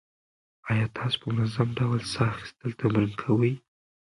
ایا تاسو په منظم ډول ساه اخیستل تمرین کوئ؟